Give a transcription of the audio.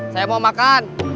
saya mau makan